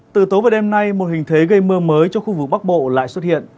từ tối và đêm nay một hình thế gây mưa mới cho khu vực bắc bộ lại xuất hiện